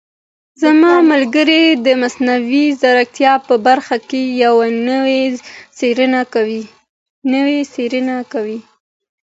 زما ملګری د مصنوعي ځیرکتیا په برخه کې یوه نوې څېړنه کوي.